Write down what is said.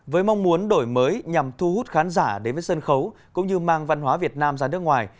với mong muốn đổi mới nhằm thu hút khán giả đến với sân khấu cũng như mang văn hóa việt nam ra nước ngoài